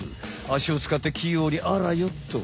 アシを使って器用にあらよっと。